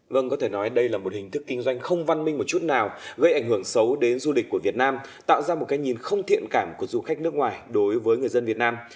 vâng có thể nói đây là một hình thức kinh doanh không văn minh một chút nào gây ảnh hưởng xấu đến du lịch của việt nam tạo ra một cái nhìn không thiện cảm của du khách nước ngoài đối với người dân việt nam